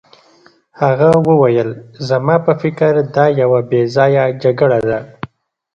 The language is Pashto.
هغه وویل زما په فکر دا یوه بې ځایه جګړه ده.